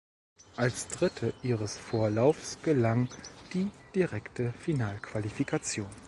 Als Dritte ihres Vorlaufs gelang die direkte Finalqualifikation.